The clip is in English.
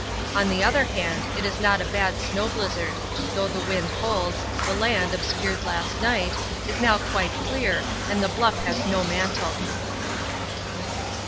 On the other hand, this is not a bad snow blizzard; although the wind holds, the land, obscured last night, is now quite clear and the Bluff has no mantle.